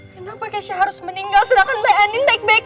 kenapa kaisa harus meninggal sedangkan mba anin baik baik aja